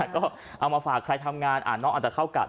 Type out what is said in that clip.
ก็เอามาฝากใครทำงานน้องอาจจะเข้ากัด